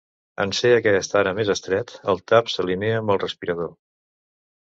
En ser aquest ara més estret, el tap s'alinea amb el respirador.